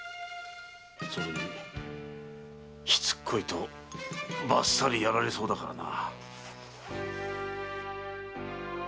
それにしつこいとバッサリやられそうだからな。